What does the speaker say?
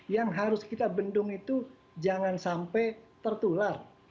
yang harus kita bendung itu jangan sampai tertular